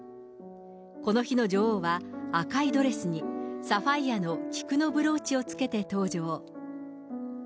この日の女王は、赤いドレスにサファイアの菊のブローチをつけて登場。